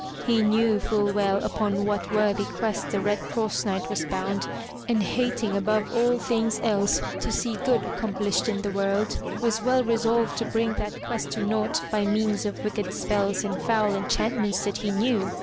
He knew full well upon what worthy quest the Red Cross Knight was bound, and hating above all things else to see good accomplished in the world, was well resolved to bring that quest to naught by means of wicked spells and foul enchantments that he knew.